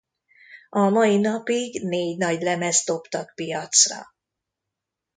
A mai napig négy nagylemezt dobtak piacra.